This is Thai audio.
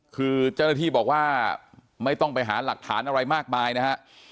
คือเจ้าหน้าที่บอกว่าไม่ต้องไปหาหลักฐานอะไรมากมายนะฮะ